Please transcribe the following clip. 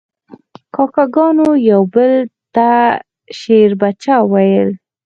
کاکه ګانو یو بل ته شیربچه ویل.